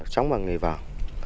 sống bằng người vào